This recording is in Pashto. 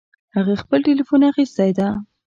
هغې خپل ټیلیفون اخیستی ده